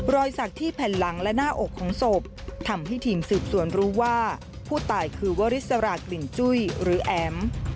รอยสักที่แผ่นหลังและหน้าอกของศพทำให้ทีมสืบสวนรู้ว่าผู้ตายคือวริสรากลิ่นจุ้ยหรือแอ๋ม